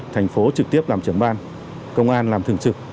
thành phố trực tiếp làm trưởng ban công an làm thường trực